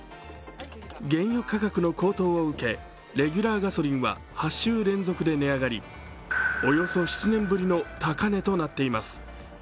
原油価格の高騰を受けレギュラーガソリンは８週連続で値上がり、およそ７年ぶりの高値となっています。